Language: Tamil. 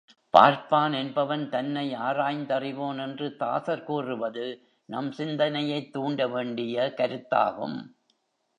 பார்ப்பான் என்பவன் தன்னை ஆராய்ந்தறிவோன் என்று தாசர் கூறுவது நம் சிந்தனையைத் தூண்ட வேண்டிய கருத்தாகும்.